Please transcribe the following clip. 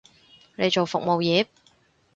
你做服務業？